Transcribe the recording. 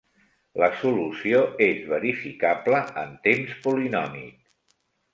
La solució és verificable en temps polinòmic.